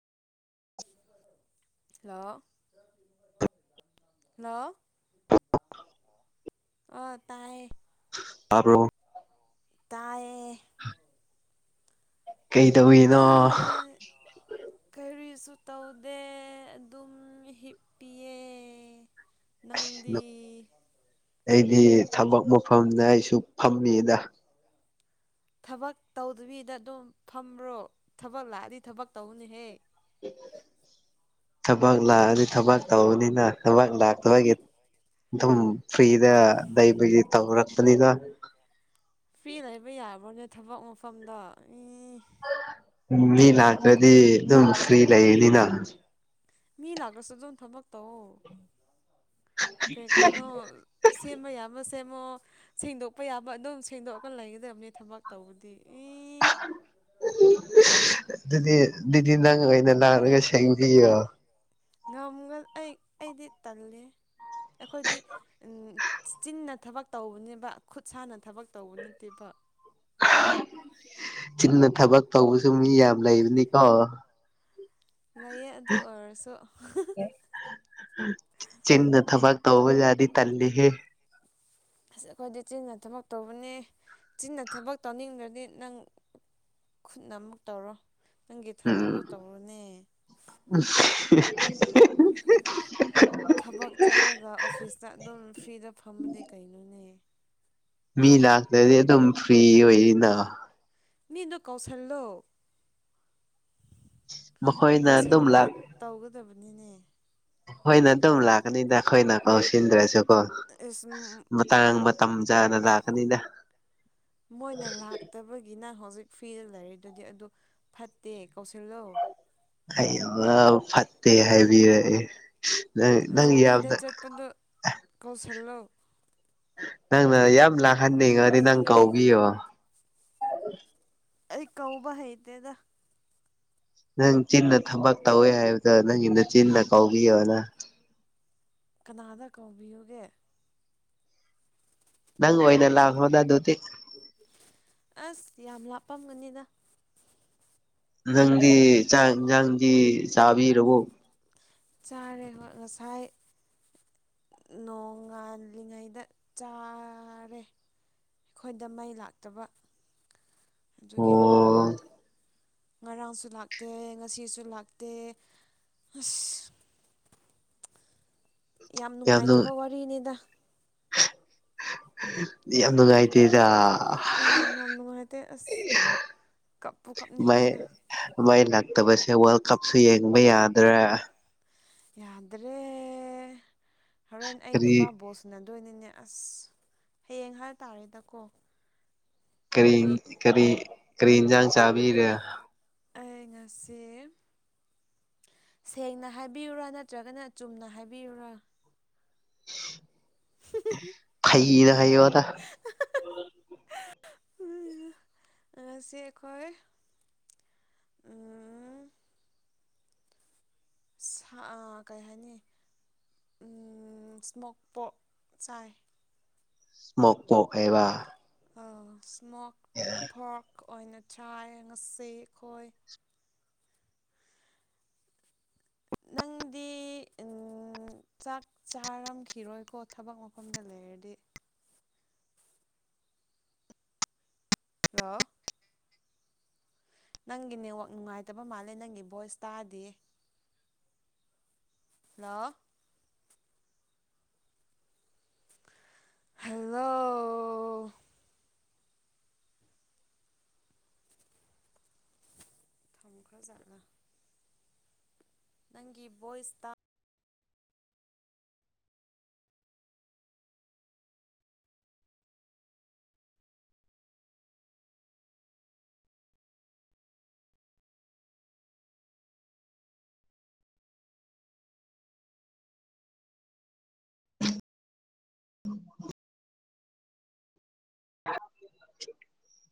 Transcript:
ꯂ ꯂ [unintelligible] ꯑꯣ ꯇꯥꯏꯌꯦ ꯍꯥꯥꯄ꯭ꯔꯣꯣ ꯇꯥꯏꯌꯦ ꯀꯩ ꯑ ꯇꯧꯏꯅꯣ ꯁꯨꯇꯧꯗꯦ ꯝ ꯍꯤꯞꯄꯤ ꯅꯪꯗꯤ ꯑꯩꯗꯤ ꯊꯕꯛ ꯃꯐꯝꯗ ꯑꯩꯁꯨ ꯐꯝꯃꯤꯗ ꯊꯕꯛ ꯇꯧꯗꯕꯤꯗ ꯑꯗꯨꯝ ꯐꯝꯕ꯭ꯔꯣ ꯊꯕꯛ ꯂꯥꯛꯑꯗꯤ ꯊꯕꯛ ꯇꯧꯅꯤꯍꯦ ꯊꯕꯛ ꯂꯥꯛꯑꯅꯤ ꯊꯕꯛ ꯇꯧꯕꯅꯤꯅ ꯊꯕꯛ ꯂꯥꯛꯇꯕꯒꯤ ꯑꯗꯨꯝ ꯐ꯭ꯔꯤꯗ ꯂꯩꯕꯒꯤ ꯇꯧꯔꯛꯄꯅꯤꯅ ꯐ꯭ꯤ ꯂꯩꯕ ꯌꯥꯕ꯭ꯔꯣꯅꯦ ꯊꯕꯛ ꯃꯐꯝꯗ ꯎꯝ ꯃꯤ ꯂꯥꯛꯇ꯭ꯔꯗꯤ ꯑꯗꯨ ꯑꯗꯨꯝ ꯐ꯭ꯔꯤ ꯂꯩꯌꯦꯅꯤꯅ ꯃꯤ ꯂꯒꯁꯨꯖꯟ ꯊꯃꯛ ꯇ ꯑꯣ ꯀꯩ ꯀꯩꯅꯣ ꯁꯦꯝꯕ ꯌꯥꯕ ꯁꯦꯃꯣ ꯁꯦꯡꯗꯣꯛꯄ ꯌꯥꯕ ꯑꯗꯨꯝ ꯁꯦꯡꯗꯣꯛꯑꯒ ꯂꯩꯒꯗꯕꯅꯤ ꯊꯕꯛ ꯇꯧꯕꯗꯤ ꯑꯦ ꯑꯗꯨꯗꯤ ꯑꯗꯨꯗꯤ ꯅꯪ ꯑꯣꯏꯅ ꯂꯅꯥꯔꯒ ꯁꯦꯡꯕꯤꯌꯣ ꯉꯃꯨꯒꯜ ꯑꯩ ꯑꯩꯗꯤ ꯇꯜꯂꯦ ꯑꯩꯈꯣꯏꯗꯤ ꯆꯤꯟꯅ ꯊꯕꯛ ꯇꯧꯕꯅꯦꯕ ꯈꯨꯠꯁꯅ ꯊꯕꯛ ꯇꯧꯕ ꯅꯠꯇꯦꯕ ꯆꯤꯟꯅ ꯊꯕꯛ ꯇꯧꯕꯁꯨ ꯃꯤ ꯌꯥꯝ ꯂꯩꯕꯅꯤꯀꯣ ꯂꯩꯥꯏꯌꯦ ꯑꯗꯨ ꯑꯣꯏꯔꯁꯨ ꯆꯤꯟꯅ ꯊꯕꯛ ꯇꯧꯕꯖꯥꯗꯤ ꯇꯜꯂꯤꯍꯦ ꯑꯁ ꯑꯩꯈꯣꯏꯗꯤ ꯆꯤꯟꯅ ꯊꯕꯛ ꯇꯧꯕꯅꯤ ꯆꯤꯟꯅ ꯊꯕꯛ ꯇꯧꯅꯤꯡꯗ꯭ꯔꯗꯤ ꯅꯪ ꯈꯨꯠꯅ ꯑꯃꯨꯛ ꯇꯧꯔꯣ ꯅꯪꯒꯤ ꯊꯕꯛꯇꯣ ꯎꯝ ꯇꯧꯔꯣꯅꯦ ꯊꯕꯛ ꯆꯠꯂꯒ ꯑꯣꯐꯤꯁꯇ ꯑꯗꯨꯝ ꯐ꯭ꯔꯤꯗ ꯐꯝꯕꯗꯤ ꯀꯩꯅꯣꯅꯦ ꯃꯤ ꯂꯥꯛꯇ꯭ꯔꯗꯤ ꯑꯗꯨꯝ ꯐ꯭ꯔꯤ ꯑꯣꯏꯔꯤꯅ ꯃꯤ ꯏꯅꯣ ꯀꯧꯁꯂ ꯂ ꯃꯈꯣꯏꯅ ꯑꯗꯨꯝ ꯀꯧꯁꯤꯜꯂꯒ ꯂꯥꯛ ꯇꯧꯒꯗꯕꯅꯤꯅꯦ ꯍꯣꯏꯅ ꯑꯗꯨꯝ ꯂꯥꯛꯀꯅꯤꯗ ꯑꯩꯈꯣꯏꯅ ꯀꯧꯁꯤꯟꯗ꯭ꯔꯁꯨꯀꯣ ꯑꯁ ꯃꯇꯥꯡ ꯃꯇꯝ ꯗ ꯂꯥꯛꯀꯅꯤꯗ ꯃꯣꯏꯅ ꯂꯥꯛꯇꯕꯒꯤꯅ ꯍꯧꯖꯤꯛ ꯐ꯭ꯤꯗ ꯂꯩꯔꯤꯗꯨꯗꯤ ꯑꯗꯨ ꯐꯠꯇꯦ ꯀꯧꯁꯤꯜꯂꯣ ꯑꯩ ꯌꯥꯝ ꯐꯠꯇꯦ ꯍꯥꯏꯕꯤꯔꯛꯑꯦ ꯅꯪ ꯅꯪ ꯂꯝꯕꯤꯗ ꯌꯥꯝꯅ ꯆꯠꯄꯗꯣ ꯀꯧꯁꯤꯜꯂꯣ ꯅꯪꯅ ꯌꯥꯝ ꯂꯥꯛꯍꯟꯅꯤꯡꯉꯗꯤ ꯅꯪ ꯀꯥꯎꯕꯤꯌꯣ ꯑꯩ ꯀꯧꯕ ꯍꯗꯦꯗ ꯅꯪ ꯆꯤꯟꯅ ꯊꯕꯛ ꯇꯧꯋꯦ ꯍꯥꯏꯕꯗ ꯅꯪꯒꯤꯅ ꯆꯤꯟꯅ ꯀꯧꯕꯥꯎꯤꯌꯣꯅ ꯀꯅꯥꯗ ꯀꯧꯕꯤꯌꯨꯒꯦ ꯅꯪ ꯑꯣꯏꯣꯏꯅꯦꯂ ꯍꯣꯗ ꯑꯗꯨꯣꯗꯤ ꯑꯁ ꯌꯥꯝ ꯂꯥꯞꯄꯝꯒꯅꯤꯅ ꯅꯪꯗꯤ ꯅꯪꯗꯤ ꯆꯥꯕꯤꯔꯕꯣ ꯆꯥꯦ ꯍ ꯉꯁꯥꯏ ꯅꯣꯡꯉꯥꯜꯂꯤꯉꯩꯗ ꯆꯥꯔꯦ ꯑꯩꯈꯣꯏꯗ ꯃꯩ ꯂꯥꯛꯇꯕ ꯑꯗꯨꯒꯤ ꯑꯣ ꯉꯔꯥꯡꯁꯨ ꯂꯥꯛꯇꯦ ꯉꯁꯤꯁꯨ ꯂꯥꯛꯇꯦ ꯑꯁ ꯌꯥꯝ ꯅꯨꯡꯉꯥꯏꯇꯕ ꯋꯥꯔꯤꯅꯤꯗ ꯌꯥꯝ ꯅꯨꯡꯉꯥꯏꯇꯦꯗ ꯎꯝ ꯌꯥꯝ ꯅꯨꯡꯉꯥꯏꯇꯦ ꯑꯁ ꯀꯞꯄꯨ ꯃꯥꯏ ꯀꯥꯞꯅꯤꯡꯉꯦꯗ ꯃꯥꯏ ꯂꯥꯛꯇꯕꯁꯦ ꯋꯥꯔꯜ ꯀꯞꯁꯨ ꯌꯦꯡꯕ ꯌꯥꯗ꯭ꯔꯥ ꯌꯥꯗ꯭ꯔꯦ ꯍꯣꯔꯦꯟ ꯑꯩ ꯀꯔꯤ ꯅꯨꯄꯥ ꯕꯣꯁꯅ ꯑꯗꯨꯣꯏꯅꯤꯅꯦ ꯑꯁ ꯍꯌꯦꯡ ꯍꯥꯏꯇꯥꯔꯦꯗꯀꯣ ꯀꯔꯤ ꯀꯔꯤ ꯀꯔꯤ ꯏꯟꯁꯥꯡ ꯆꯥꯕꯤꯔꯦ ꯂꯩ ꯉꯁꯤ ꯁꯦꯡꯅ ꯍꯥꯏꯕꯤꯌꯨꯔꯥ ꯅꯠꯇ꯭ꯔꯒꯅ ꯆꯨꯝꯅ ꯍꯥꯏꯕꯤꯌꯨꯔꯥ ꯐꯩꯏꯗ ꯍꯥꯏ ꯋꯥꯗ [inaudible] ꯁꯤ ꯈꯣꯏ ꯁꯥ ꯀꯩ ꯍꯥꯏꯅꯤ ꯏꯁꯃꯣꯛꯄꯣꯛ ꯆꯥꯏ ꯃꯣꯃꯣ ꯑꯦꯕ ꯏꯁꯃꯣꯛ ꯊꯣꯛ ꯑꯣꯏꯅ ꯆꯥꯏ ꯉꯁꯤ ꯑꯩꯈꯣꯏ ꯅꯪꯗꯤ ꯎꯝ ꯆꯥꯛ ꯆꯥꯔꯝꯈꯤꯔꯣꯏꯀꯣ ꯊꯕꯛ ꯃꯐꯝꯗ ꯂꯩꯔꯗꯤ ꯍꯂꯣ ꯅꯪꯒꯤ ꯅꯦꯠꯋꯥꯛ ꯅꯨꯡꯉꯥꯏꯇꯕ ꯃꯥꯜꯂꯦ ꯅꯪꯒꯤ ꯚꯣꯏꯁ ꯇꯥꯗꯤ ꯍꯜꯂꯣ ꯍꯜꯂꯣ ꯊꯝꯈꯥꯖꯠꯂ ꯅꯪꯒꯤ ꯕꯣꯏꯁ ꯇ [inaudible]